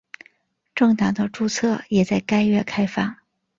政党的注册也在该月开放。